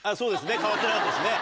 変わってなかったですね。